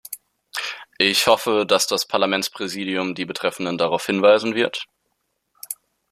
Ich hoffe, dass das Parlamentspräsidium die Betreffenden darauf hinweisen wird.